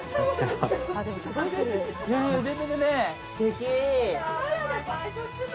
すてき。